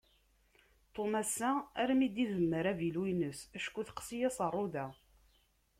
Tom assa armi d-idemmer avilu-ines, acku texsi-yas rruḍa.